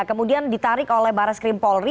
kemudian ditarik oleh barai skrim polri